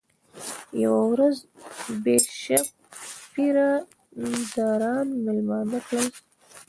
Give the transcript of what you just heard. یوه ورځ بیشپ پیره داران مېلمانه کړل.